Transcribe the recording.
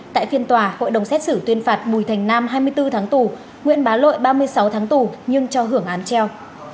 tại phiên tòa hội đồng xét xử tuyên phạt bùi thành nam hai mươi bốn tháng tù nguyễn bá lội ba mươi sáu tháng tù nhưng cho hưởng án treo